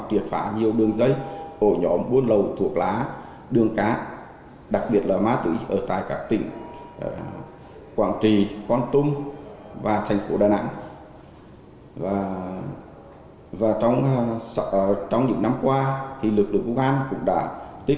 triệt phá nhiều đường dây ổ nhỏ và không bỏ loạt tội phạm cũng như không làm oan người vô tội